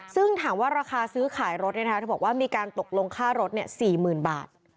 ซึ่งถามว่าราคาซื้อขายรถเธอบอกว่ามีการตกลงค่ารถ๔๐๐๐บาท